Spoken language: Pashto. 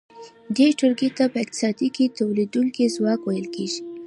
دې ټولګې ته په اقتصاد کې تولیدونکی ځواک ویل کیږي.